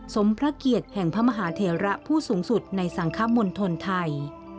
สมพระเกียรติแห่งพระมหาเถระพูดสูงในสังคมมนต์ธนไทย